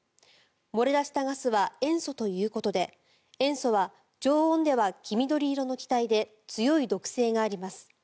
漏れ出したガスは塩素ということで塩素は常温では黄緑色の気体で強い毒性があります。